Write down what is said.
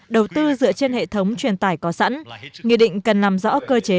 đầu tư dựa trên hệ thống truyền tải có sẵn nghị định cần nằm rõ cơ chế